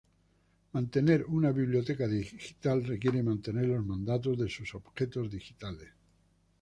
Mantener una biblioteca digital requiere mantener los metadatos de sus objetos digitales.